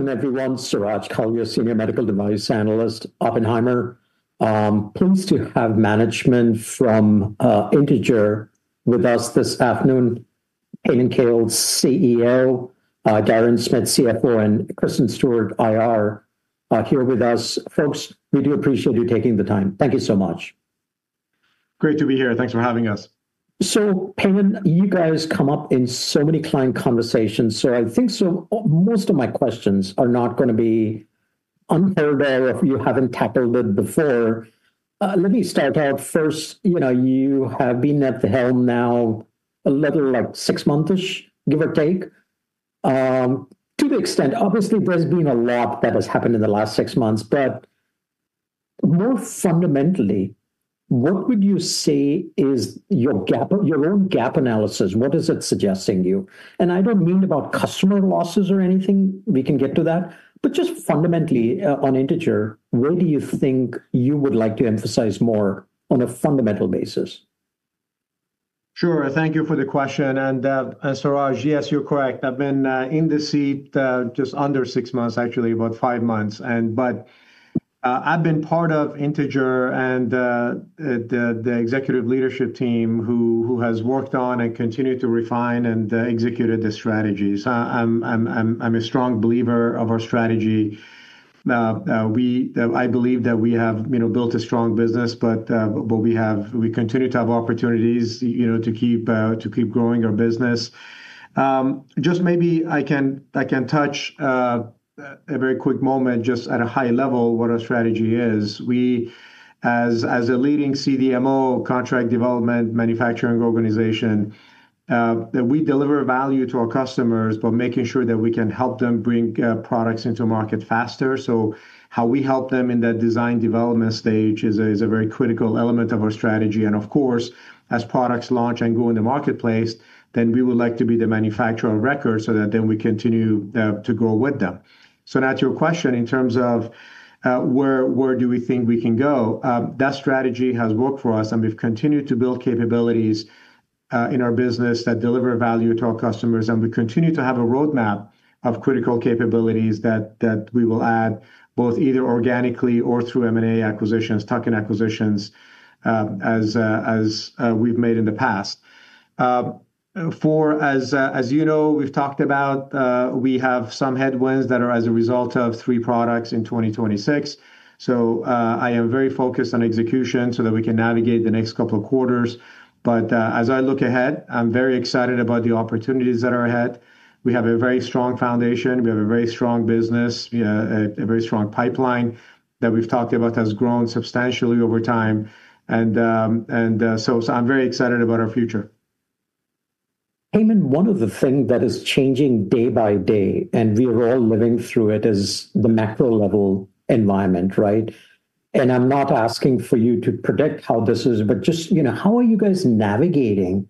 Welcome, everyone. Suraj Kalia, a senior medical device analyst, Oppenheimer. Pleased to have management from Integer with us this afternoon. Payam Khonsari, CEO, Diron Smith, CFO, and Kristen Stewart, IR, here with us. Folks, we do appreciate you taking the time. Thank you so much. Great to be here. Thanks for having us. Payman, you guys come up in so many client conversations, so I think most of my questions are not gonna be unheard of or if you haven't tackled it before. Let me start out first, you know, you have been at the helm now a little like six month-ish, give or take. To the extent, obviously there's been a lot that has happened in the last six months, but more fundamentally, what would you say is your own gap analysis, what is it suggesting you? I don't mean about customer losses or anything. We can get to that. Just fundamentally, on Integer, where do you think you would like to emphasize more on a fundamental basis? Sure. Thank you for the question. Suraj, yes, you're correct. I've been in the seat just under six months, actually about five months. I've been part of Integer and the executive leadership team who has worked on and continued to refine and executed the strategy. I'm a strong believer of our strategy. I believe that we have, you know, built a strong business, but we continue to have opportunities, you know, to keep growing our business. Just maybe I can take a very quick moment, just at a high level what our strategy is. We, as a leading CDMO, Contract Development Manufacturing Organization, that we deliver value to our customers by making sure that we can help them bring products into market faster. How we help them in that design development stage is a very critical element of our strategy. Of course, as products launch and go in the marketplace, then we would like to be the manufacturer on record so that then we continue to grow with them. Now to your question, in terms of where we think we can go, that strategy has worked for us, and we've continued to build capabilities in our business that deliver value to our customers, and we continue to have a roadmap of critical capabilities that we will add both either organically or through M&A acquisitions, tuck-in acquisitions, as we've made in the past. For, as you know, we've talked about, we have some headwinds that are as a result of three products in 2026. I am very focused on execution so that we can navigate the next couple of quarters. As I look ahead, I'm very excited about the opportunities that are ahead. We have a very strong foundation. We have a very strong business, a very strong pipeline that we've talked about has grown substantially over time. I'm very excited about our future. Payman, one of the thing that is changing day by day, and we are all living through it, is the macro level environment, right? I'm not asking for you to predict how this is, but just, you know, how are you guys navigating?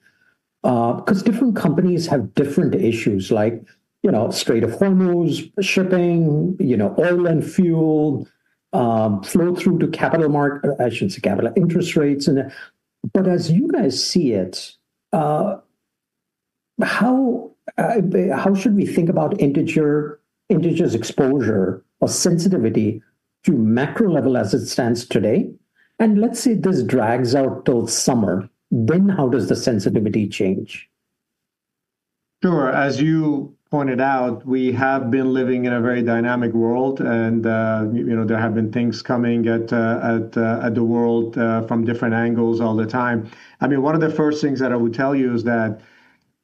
'cause different companies have different issues like, you know, straight up hormones, shipping, you know, oil and fuel, flow through to capital interest rates. As you guys see it, how should we think about Integer's exposure or sensitivity to macro level as it stands today? Let's say this drags out till summer, then how does the sensitivity change? Sure. As you pointed out, we have been living in a very dynamic world and there have been things coming at the world from different angles all the time. I mean, one of the first things that I would tell you is that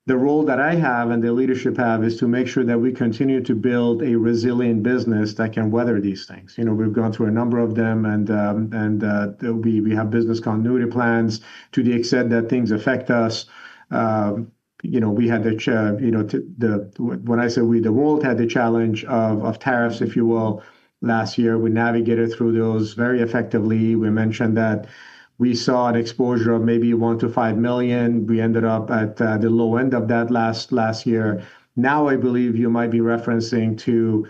the role that I have and the leadership have is to make sure that we continue to build a resilient business that can weather these things. We've gone through a number of them and we have business continuity plans to the extent that things affect us. When I say we, the world had the challenge of tariffs, if you will, last year. We navigated through those very effectively. We mentioned that we saw an exposure of maybe $1 million-$5 million. We ended up at the low end of that last year. Now, I believe you might be referring to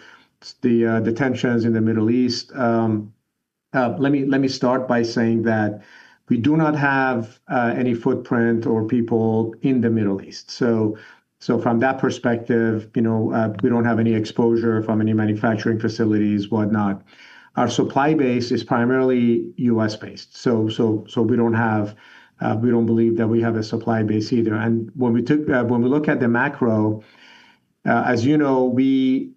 the tensions in the Middle East. Let me start by saying that we do not have any footprint or people in the Middle East. From that perspective, you know, we don't have any exposure from any manufacturing facilities, whatnot. Our supply base is primarily U.S.-based. We don't believe that we have a supply base either. When we look at the macro, as you know, we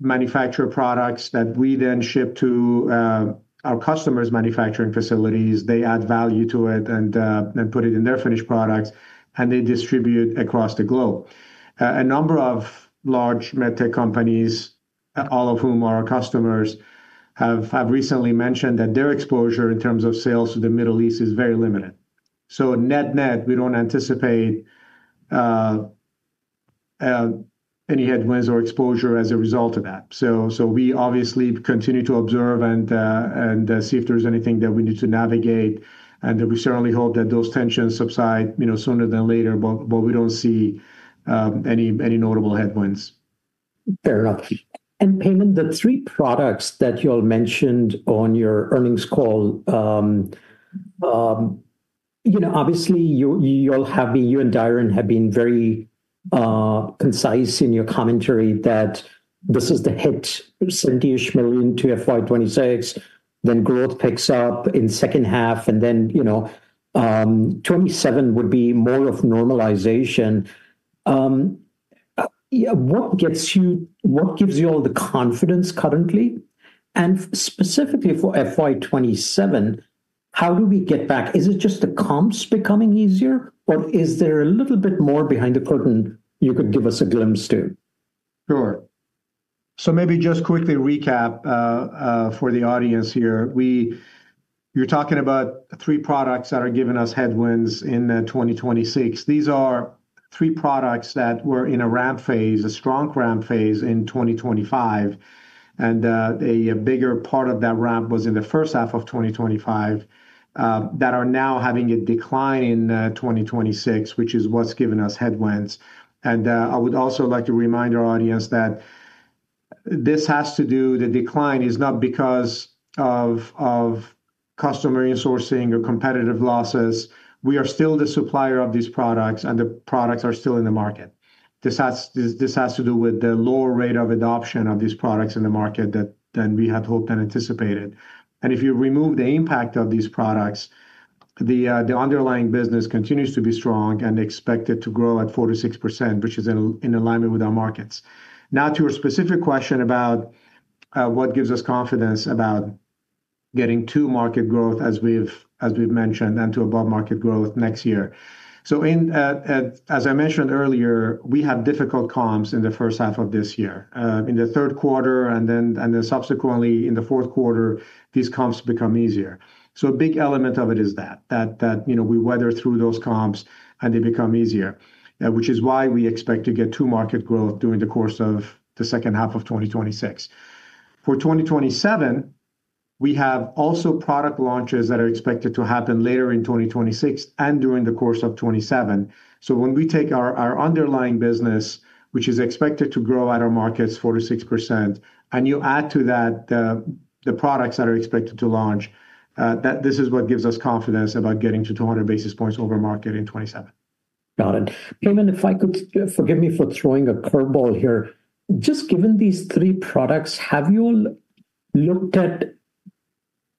manufacture products that we then ship to our customers' manufacturing facilities. They add value to it and put it in their finished products, and they distribute across the globe. A number of large med tech companies, all of whom are our customers, have recently mentioned that their exposure in terms of sales to the Middle East is very limited. Net-net, we don't anticipate any headwinds or exposure as a result of that. We obviously continue to observe and see if there's anything that we need to navigate. We certainly hope that those tensions subside, you know, sooner than later, but we don't see any notable headwinds. Fair enough. Payman, the three products that y'all mentioned on your earnings call, you know, obviously you and Diron have been very concise in your commentary that this is the hit of $70-ish million to FY 2026, then growth picks up in H2, and then, you know, 2027 would be more of normalization. What gives you all the confidence currently? And specifically for FY 2027, how do we get back? Is it just the comps becoming easier, or is there a little bit more behind the curtain you could give us a glimpse to? Sure. Maybe just quickly recap for the audience here. You're talking about three products that are giving us headwinds in 2026. These are three products that were in a ramp phase, a strong ramp phase in 2025, and a bigger part of that ramp was in the H1 of 2025, that are now having a decline in 2026, which is what's giving us headwinds. I would also like to remind our audience that this has to do with the decline is not because of customer resourcing or competitive losses. We are still the supplier of these products, and the products are still in the market. This has to do with the lower rate of adoption of these products in the market than we had hoped and anticipated. If you remove the impact of these products, the underlying business continues to be strong and expected to grow at 4%-6%, which is in alignment with our markets. Now to your specific question about what gives us confidence about getting to market growth as we've mentioned, and to above market growth next year. As I mentioned earlier, we have difficult comps in the H1 of this year. In the third quarter and then subsequently in the fourth quarter, these comps become easier. A big element of it is that you know, we weather through those comps, and they become easier, which is why we expect to get to market growth during the course of the H2 of 2026. For 2027, we have also product launches that are expected to happen later in 2026 and during the course of 2027. When we take our our underlying business, which is expected to grow at our markets 4%-6%, and you add to that the products that are expected to launch, this is what gives us confidence about getting to 200 basis points over market in 2027. Got it. Payman, if I could. Forgive me for throwing a curveball here. Just given these three products, have you looked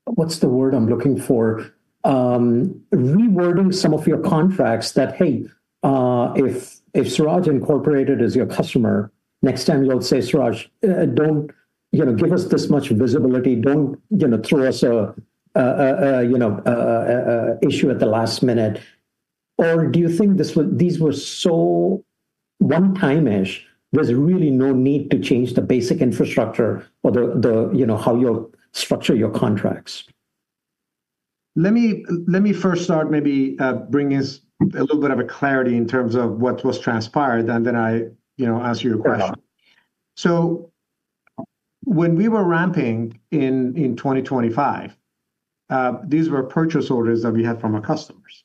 at, what's the word I'm looking for? Rewording some of your contracts that, hey, if Suraj Incorporated is your customer, next time you'll say, "Suraj, don't. You know, give us this much visibility. Don't, you know, throw us a, you know, a issue at the last minute." Or do you think these were so one-time-ish there's really no need to change the basic infrastructure or the you know how you structure your contracts? Let me first start maybe bringing us a little bit of a clarity in terms of what was transpired, and then I, you know, answer your question. Sure. When we were ramping in 2025, these were purchase orders that we had from our customers.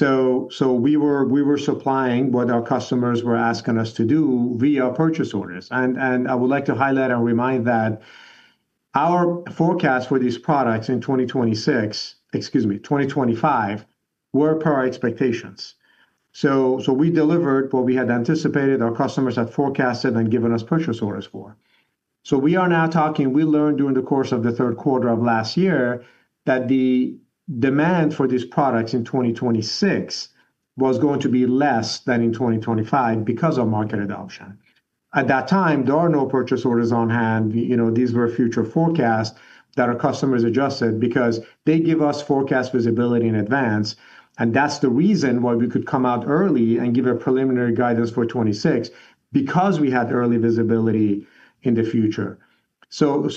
We were supplying what our customers were asking us to do via purchase orders. I would like to highlight and remind that our forecast for these products in 2026, excuse me, 2025, were per our expectations. We delivered what we had anticipated our customers had forecasted and given us purchase orders for. We are now talking, we learned during the course of the third quarter of last year that the demand for these products in 2026 was going to be less than in 2025 because of market adoption. At that time, there are no purchase orders on hand. You know, these were future forecasts that our customers adjusted because they give us forecast visibility in advance, and that's the reason why we could come out early and give a preliminary guidance for 2026 because we had early visibility in the future. To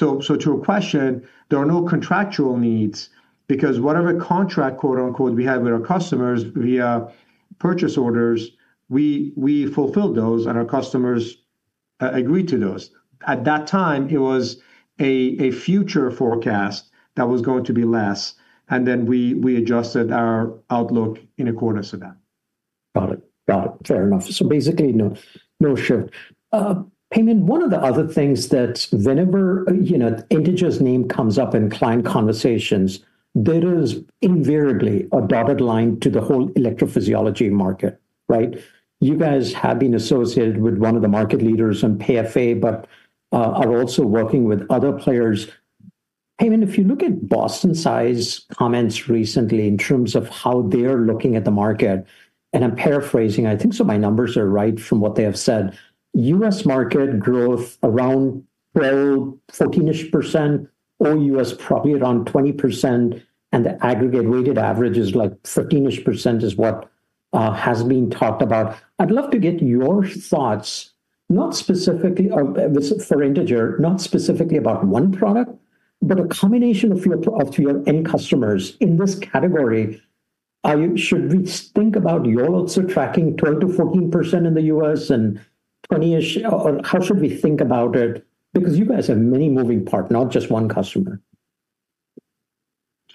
your question, there are no contractual needs because whatever contract, quote-unquote, we had with our customers via purchase orders, we fulfilled those, and our customers agreed to those. At that time, it was a future forecast that was going to be less, and then we adjusted our outlook in accordance to that. Fair enough. Basically, no shift. Payman, one of the other things that whenever, you know, Integer's name comes up in client conversations, there is invariably a dotted line to the whole electrophysiology market, right? You guys have been associated with one of the market leaders on PFA, but are also working with other players. Payman, if you look at Boston Scientific comments recently in terms of how they're looking at the market, and I'm paraphrasing, I think so my numbers are right from what they have said, U.S. market growth around 12%-14%, OUS probably around 20%, and the aggregate weighted average is like 15%-ish% is what has been talked about. I'd love to get your thoughts, not specifically, this is for Integer, not specifically about one product, but a combination of your end customers in this category. Should we think about you're also tracking 12%-14% in the U.S. and 20%-ish or how should we think about it? Because you guys have many moving parts, not just one customer.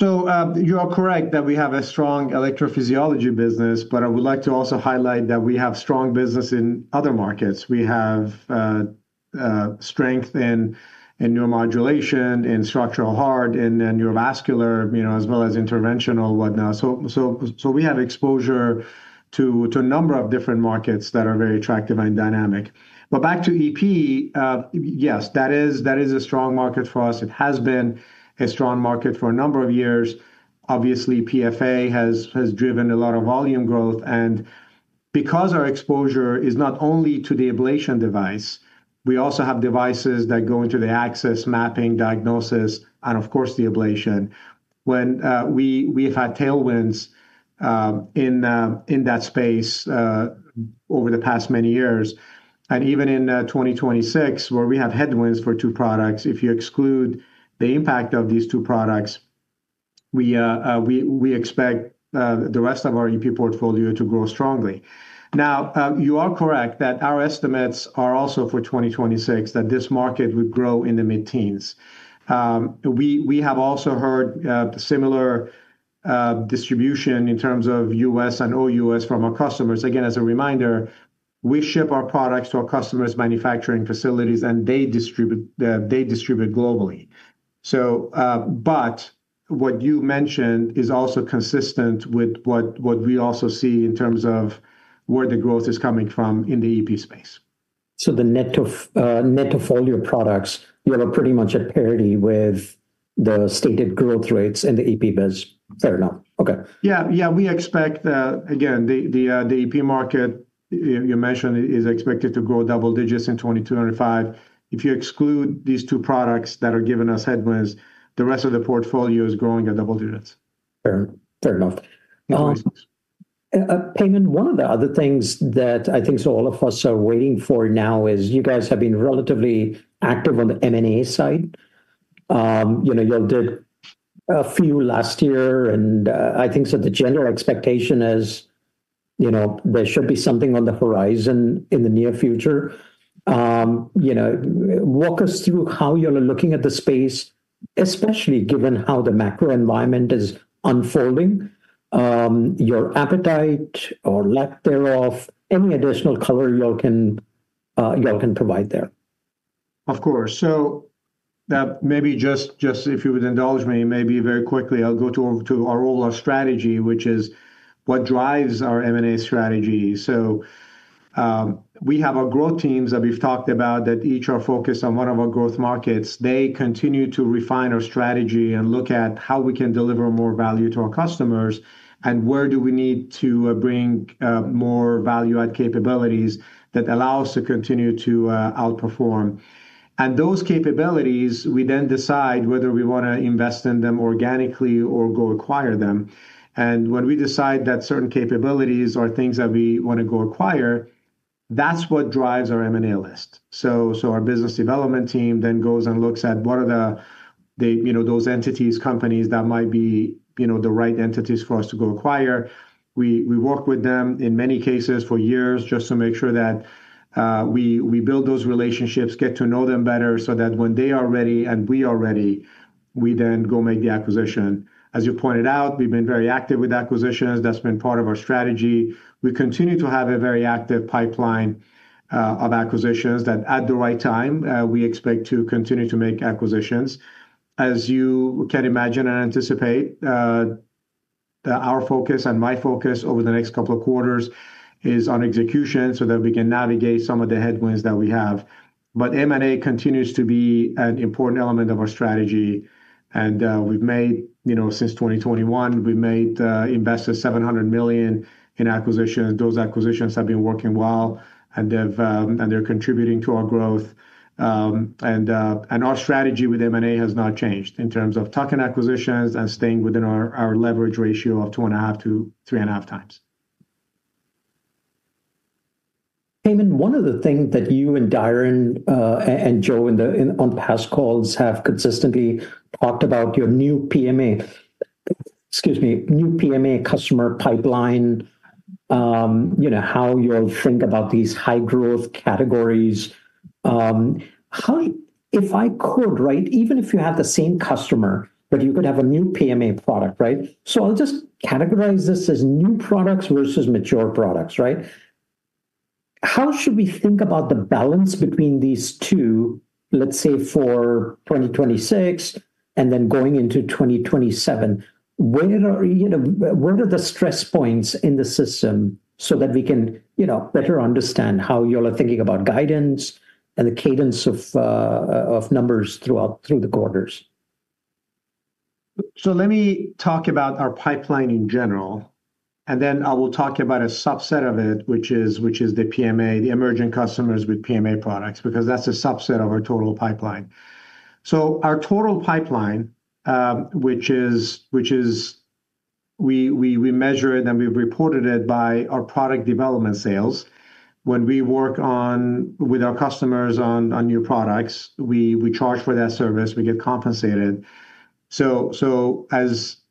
You are correct that we have a strong electrophysiology business, but I would like to also highlight that we have strong business in other markets. We have strength in neuromodulation, in structural heart, in the neurovascular, you know, as well as interventional whatnot. We have exposure to a number of different markets that are very attractive and dynamic. Back to EP, yes, that is a strong market for us. It has been a strong market for a number of years. Obviously, PFA has driven a lot of volume growth. Because our exposure is not only to the ablation device, we also have devices that go into the access, mapping, diagnosis, and of course, the ablation. When we’ve had tailwinds in that space over the past many years, and even in 2026, where we have headwinds for two products, if you exclude the impact of these two products, we expect the rest of our EP portfolio to grow strongly. Now, you are correct that our estimates are also for 2026, that this market would grow in the mid-teens. We have also heard similar distribution in terms of U.S. and OUS from our customers. Again, as a reminder, we ship our products to our customers’ manufacturing facilities, and they distribute globally. What you mentioned is also consistent with what we also see in terms of where the growth is coming from in the EP space. The net of all your products, you have a pretty much a parity with the stated growth rates in the EP biz, fair enough. Okay. Yeah. Yeah. We expect, again, the EP market you mentioned is expected to grow double digits in 2025. If you exclude these two products that are giving us headwinds, the rest of the portfolio is growing at double digits. Fair enough. No worries. Payman, one of the other things that I think all of us are waiting for now is you guys have been relatively active on the M&A side. You know, you all did a few last year, and I think the general expectation is, you know, there should be something on the horizon in the near future. You know, walk us through how you all are looking at the space, especially given how the macro environment is unfolding, your appetite or lack thereof, any additional color you all can provide there. Of course. Maybe just if you would indulge me, maybe very quickly, I'll go to our role of strategy, which is what drives our M&A strategy. We have our growth teams that we've talked about that each are focused on one of our growth markets. They continue to refine our strategy and look at how we can deliver more value to our customers and where do we need to bring more value add capabilities that allow us to continue to outperform. Those capabilities, we then decide whether we wanna invest in them organically or go acquire them. When we decide that certain capabilities are things that we wanna go acquire, that's what drives our M&A list. Our business development team then goes and looks at what are the, you know, those entities, companies that might be, you know, the right entities for us to go acquire. We work with them in many cases for years just to make sure that we build those relationships, get to know them better so that when they are ready and we are ready, we then go make the acquisition. As you pointed out, we've been very active with acquisitions. That's been part of our strategy. We continue to have a very active pipeline of acquisitions that at the right time we expect to continue to make acquisitions. As you can imagine and anticipate, our focus and my focus over the next couple of quarters is on execution so that we can navigate some of the headwinds that we have. M&A continues to be an important element of our strategy. We've invested $700 million in acquisitions since 2021. Those acquisitions have been working well, and they're contributing to our growth. Our strategy with M&A has not changed in terms of tuck-in acquisitions and staying within our leverage ratio of 2.5x-3.5x. Payman, one of the things that you and Diron and Joe in on past calls have consistently talked about your new PMA customer pipeline, you know, how you all think about these high growth categories. How, if I could, right, even if you have the same customer, but you could have a new PMA product, right? So I'll just categorize this as new products versus mature products, right? How should we think about the balance between these two, let's say for 2026 and then going into 2027? Where are, you know, where are the stress points in the system so that we can, you know, better understand how you all are thinking about guidance and the cadence of numbers through the quarters? Let me talk about our pipeline in general, and then I will talk about a subset of it, which is the PMA, the emerging customers with PMA products, because that's a subset of our total pipeline. Our total pipeline, which we measure it and we've reported it by our product development sales. When we work with our customers on new products, we charge for that service, we get compensated.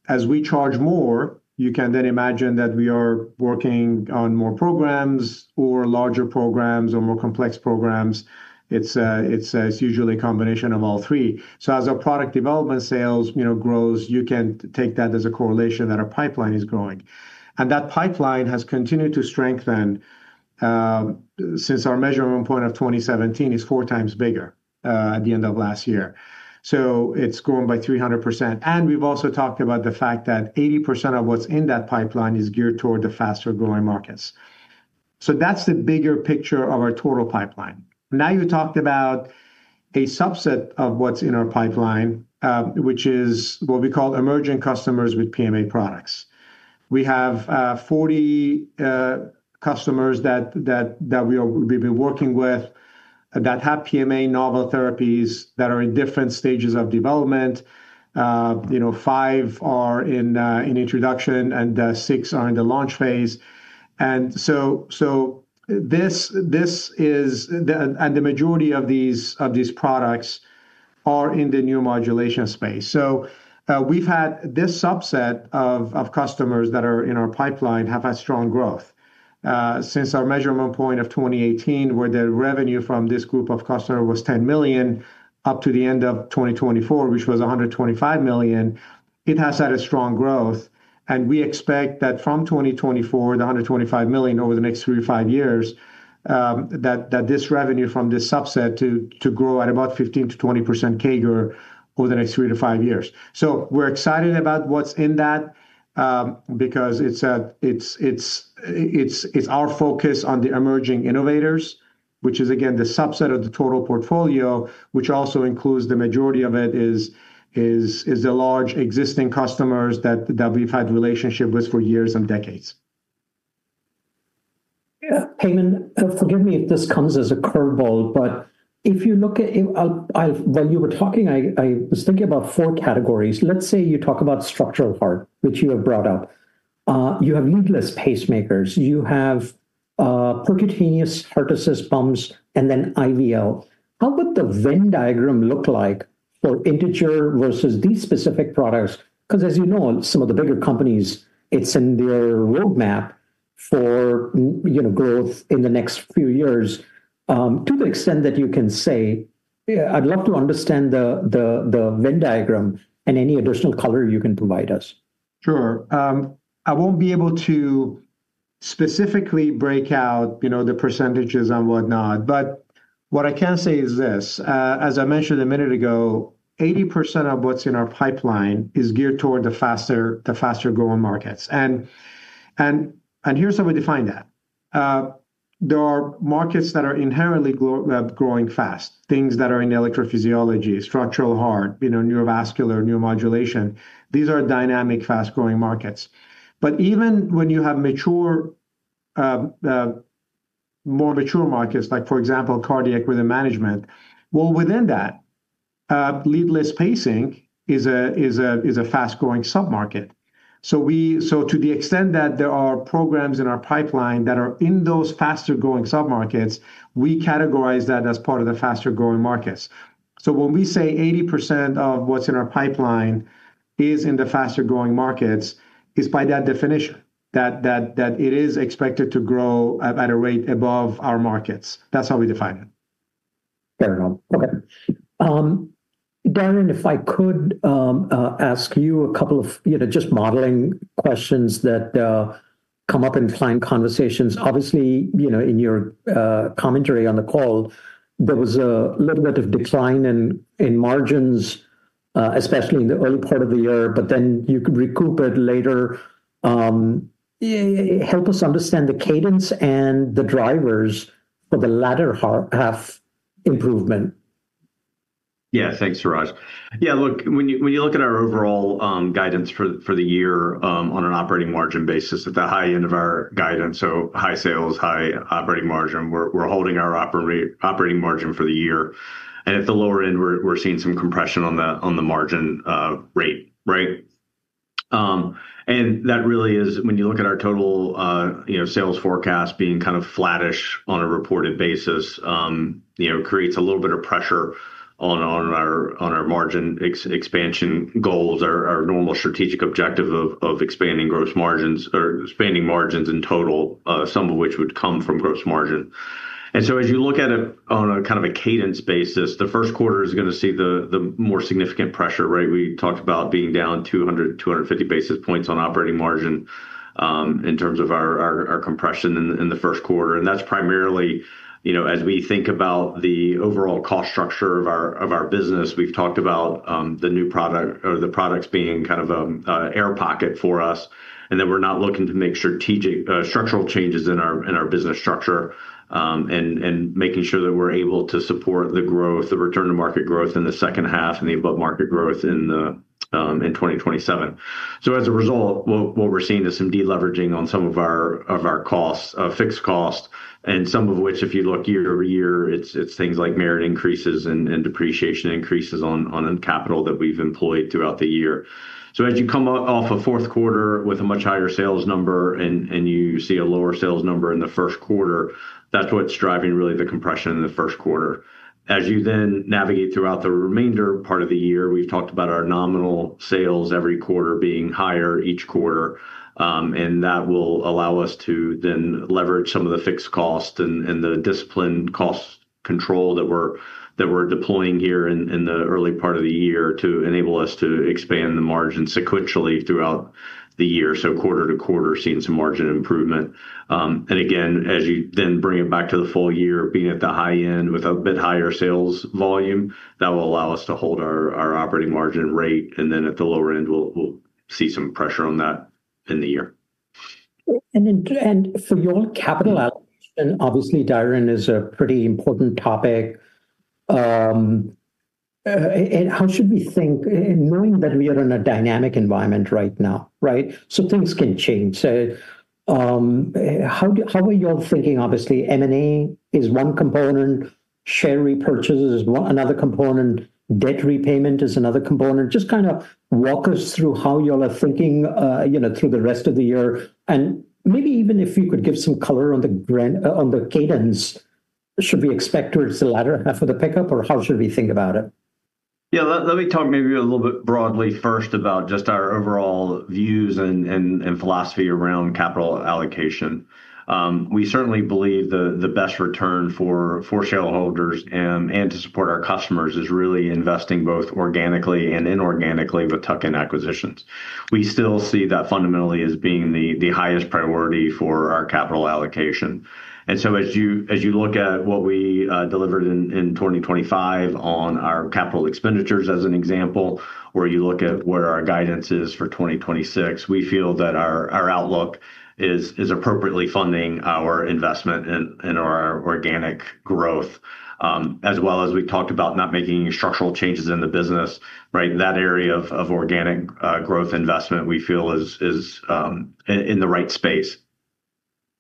As we charge more, you can then imagine that we are working on more programs or larger programs or more complex programs. It's usually a combination of all three. As our product development sales, you know, grows, you can take that as a correlation that our pipeline is growing. That pipeline has continued to strengthen since our measurement point of 2017 is four times bigger at the end of last year. It's grown by 300%. We've also talked about the fact that 80% of what's in that pipeline is geared toward the faster-growing markets. That's the bigger picture of our total pipeline. Now, you talked about a subset of what's in our pipeline, which is what we call emerging customers with PMA products. We have 40 customers that we have been working with that have PMA novel therapies that are in different stages of development. Five are in introduction, and six are in the launch phase. This is. The majority of these products are in the neuromodulation space. We've had this subset of customers that are in our pipeline have had strong growth. Since our measurement point of 2018, where the revenue from this group of customer was $10 million, up to the end of 2024, which was $125 million, it has had a strong growth. We expect that from 2024, the $125 million over the next three to five years, this revenue from this subset to grow at about 15%-20% CAGR over the next three to five years. We're excited about what's in that, because it's our focus on the emerging innovators, which is again, the subset of the total portfolio, which also includes the majority of it is the large existing customers that we've had relationship with for years and decades. Yeah. Payman, forgive me if this comes as a curveball, but if you look at. While you were talking, I was thinking about four categories. Let's say you talk about structural heart, which you have brought up. You have leadless pacemakers, you have percutaneous heart assist pumps, and then IVL. How would the Venn diagram look like for Integer versus these specific products? Because as you know, some of the bigger companies, it's in their roadmap for, you know, growth in the next few years. To the extent that you can say, I'd love to understand the Venn diagram and any additional color you can provide us. Sure. I won't be able to specifically break out, you know, the percentages and whatnot, but what I can say is this. As I mentioned a minute ago, 80% of what's in our pipeline is geared toward the faster-growing markets. Here's how we define that. There are markets that are inherently growing fast, things that are in electrophysiology, structural heart, you know, neurovascular, neuromodulation. These are dynamic, fast-growing markets. But even when you have mature, more mature markets, like for example, cardiac rhythm management, well, within that, leadless pacing is a fast-growing sub-market. To the extent that there are programs in our pipeline that are in those faster-growing sub-markets, we categorize that as part of the faster-growing markets. When we say 80% of what's in our pipeline is in the faster-growing markets, is by that definition that it is expected to grow at a rate above our markets. That's how we define it. Fair enough. Okay. Diron, if I could, ask you a couple of, you know, just modeling questions that come up in client conversations. Obviously, you know, in your commentary on the call, there was a little bit of decline in margins, especially in the early part of the year, but then you could recoup it later. Help us understand the cadence and the drivers for the latter half improvement? Yeah. Thanks, Suraj. Yeah, look, when you look at our overall guidance for the year, on an operating margin basis, at the high end of our guidance, so high sales, high operating margin, we're holding our operating margin for the year. At the lower end, we're seeing some compression on the margin rate. Right? That really is when you look at our total, you know, sales forecast being kind of flattish on a reported basis, you know, creates a little bit of pressure on our margin expansion goals, our normal strategic objective of expanding gross margins or expanding margins in total, some of which would come from gross margin. As you look at it on a kind of a cadence basis, the first quarter is gonna see the more significant pressure, right? We talked about being down 200-250 basis points on operating margin in terms of our compression in the first quarter. That's primarily, you know, as we think about the overall cost structure of our business. We've talked about the new product or the products being kind of an air pocket for us, and that we're not looking to make structural changes in our business structure, and making sure that we're able to support the growth, the return-to-market growth in the H2 and the above-market growth in 2027. As a result, what we're seeing is some deleveraging on some of our costs, fixed cost, and some of which, if you look year-over-year, it's things like merit increases and depreciation increases on capital that we've employed throughout the year. As you come off a fourth quarter with a much higher sales number and you see a lower sales number in the first quarter, that's what's driving really the compression in the first quarter. As you then navigate throughout the remainder part of the year, we've talked about our nominal sales every quarter being higher each quarter, and that will allow us to then leverage some of the fixed cost and the disciplined cost control that we're deploying here in the early part of the year to enable us to expand the margin sequentially throughout the year, so quarter to quarter seeing some margin improvement. Again, as you then bring it back to the full year, being at the high end with a bit higher sales volume, that will allow us to hold our operating margin rate. Then at the lower end, we'll see some pressure on that in the year. For your capital allocation, obviously, Diron is a pretty important topic. How should we think in mind that we are in a dynamic environment right now, right? Things can change. How are you all thinking? Obviously, M&A is one component, share repurchase is another component, debt repayment is another component. Just kinda walk us through how y'all are thinking, you know, through the rest of the year. Maybe even if you could give some color on the cadence, should we expect towards the latter half of the pickup, or how should we think about it? Yeah. Let me talk maybe a little bit broadly first about just our overall views and philosophy around capital allocation. We certainly believe the best return for shareholders and to support our customers is really investing both organically and inorganically with tuck-in acquisitions. We still see that fundamentally as being the highest priority for our capital allocation. As you look at what we delivered in 2025 on our capital expenditures as an example, or you look at where our guidance is for 2026, we feel that our outlook is appropriately funding our investment in our organic growth. As well as we've talked about not making structural changes in the business, right? That area of organic growth investment we feel is in the right space.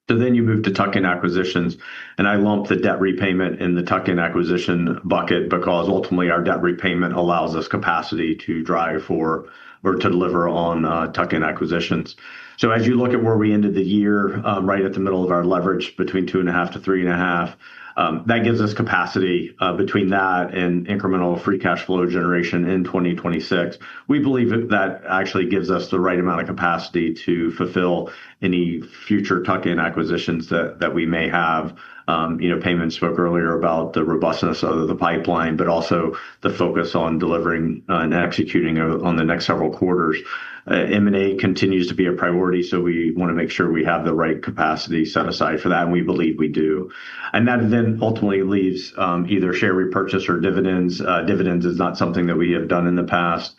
You move to tuck-in acquisitions, and I lumped the debt repayment in the tuck-in acquisition bucket because ultimately our debt repayment allows us capacity to drive for or to deliver on tuck-in acquisitions. As you look at where we ended the year, right at the middle of our leverage between 2.5-3.5, that gives us capacity. Between that and incremental free cash flow generation in 2026, we believe that actually gives us the right amount of capacity to fulfill any future tuck-in acquisitions that we may have. You know, Payman spoke earlier about the robustness of the pipeline, but also the focus on delivering and executing of it on the next several quarters. M&A continues to be a priority, so we wanna make sure we have the right capacity set aside for that, and we believe we do. That then ultimately leaves either share repurchase or dividends. Dividends is not something that we have done in the past.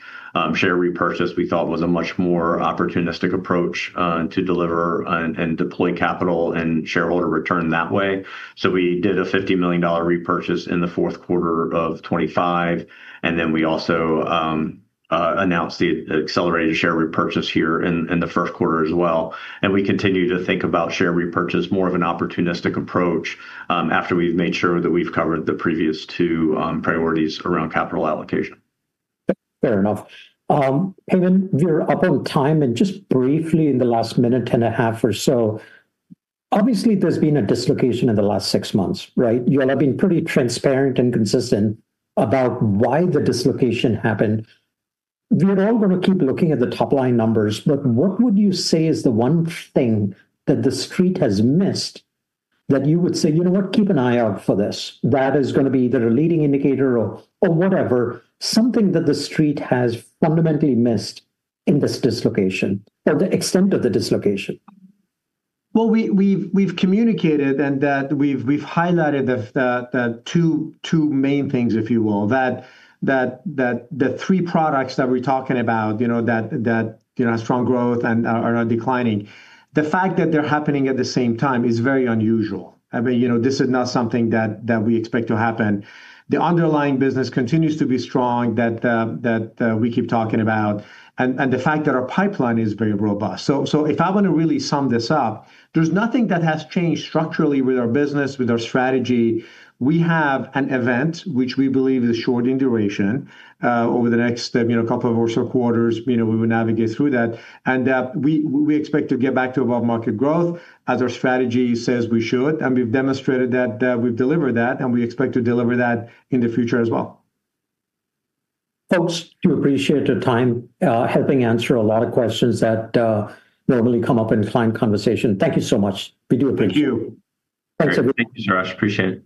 Share repurchase, we thought, was a much more opportunistic approach to deliver and deploy capital and shareholder return that way. We did a $50 million repurchase in the fourth quarter of 2025, and then we also announced the accelerated share repurchase here in the first quarter as well. We continue to think about share repurchase more of an opportunistic approach after we've made sure that we've covered the previous two priorities around capital allocation. Fair enough. Payman, we're up on time, and just briefly in the last minute and a half or so, obviously there's been a dislocation in the last six months, right? You all have been pretty transparent and consistent about why the dislocation happened. We're all gonna keep looking at the top-line numbers, but what would you say is the one thing that the Street has missed that you would say, "You know what? Keep an eye out for this." That is gonna be either a leading indicator or whatever, something that the Street has fundamentally missed in this dislocation or the extent of the dislocation. Well, we've communicated, and that we've highlighted the two main things, if you will, that the three products that we're talking about, you know, strong growth and are declining. The fact that they're happening at the same time is very unusual. I mean, you know, this is not something that we expect to happen. The underlying business continues to be strong that we keep talking about and the fact that our pipeline is very robust. If I wanna really sum this up, there's nothing that has changed structurally with our business, with our strategy. We have an event which we believe is short in duration, over the next, you know, couple or so quarters, you know, we will navigate through that. We expect to get back to above-market growth as our strategy says we should, and we've demonstrated that, we've delivered that, and we expect to deliver that in the future as well. Folks, we appreciate your time, helping answer a lot of questions that normally come up in client conversation. Thank you so much. We do appreciate it. Thank you. Thanks, everybody. Thank you, Suraj. Appreciate it.